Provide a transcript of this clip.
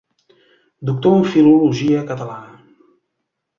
Doctor en Filologia Catalana.